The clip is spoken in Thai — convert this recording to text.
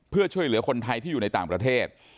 เพื่อช่วยเหลือคนไทยที่อยู่ในต่างประเทศ